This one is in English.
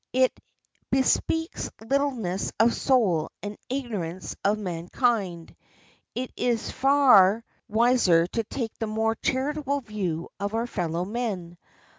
It bespeaks littleness of soul and ignorance of mankind. It is far wiser to take the more charitable view of our fellow men.